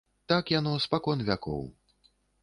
Так яно спакон вякоў.